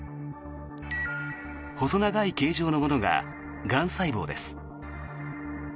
細長い形状のものががん細胞です。